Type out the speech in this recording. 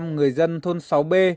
bảy mươi người dân thôn sáu b